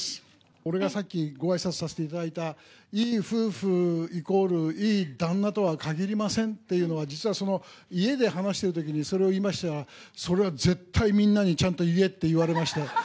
俺がさっきごあいさつさせていただいた、いい夫婦イコールいい旦那とはかぎりませんっていうのは、実はその、家で話してるときにそれを言いましたら、それは絶対、みんなにちゃんと言えって言われまして。